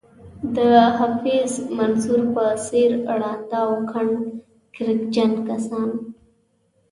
د حفیظ منصور په څېر ړانده او کڼ کرکجن کسان.